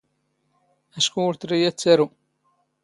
ⴰⵛⴽⵓ ⵓⵔ ⵜⵔⵉ ⴰⴷ ⵜⴰⵔⵓ.